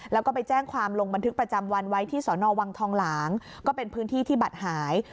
แล้วก็ไปแจ้งความลงบันทึกประจำวันไว้ที่สอนอวังทองหลางก็เป็นพื้นที่ที่บัตรหาย